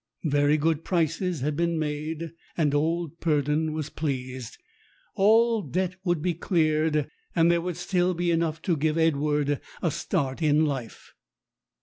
Very good prices had been made, and old Purdon was pleased. All debt would be cleared, and there would still be enough to give Edward a start in life.